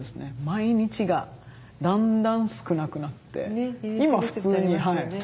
毎日がだんだん少なくなって今普通に朝起きて。